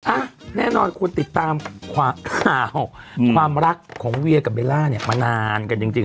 อ่ะแน่นอนควรติดตามข่าวความรักของเวียกับเบลล่าเนี่ยมานานกันจริง